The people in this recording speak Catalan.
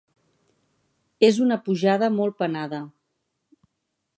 És una pujada molt penada.